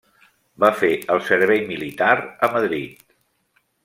Va fer el servei militar a Madrid.